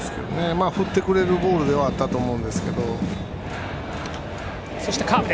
まあ、振ってくれるボールではあったと思うんですけど。